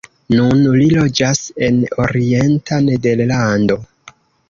Nun li loĝas en orienta Nederlando.